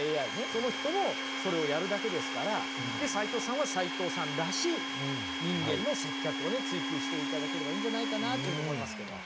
その人もそれをやるだけですからで齋藤さんは齋藤さんらしい人間の接客をね追求していただければいいんじゃないかなというふうに思いますけど。